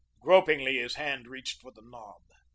Gropingly his hand reached for the knob.